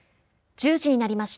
１０時になりました。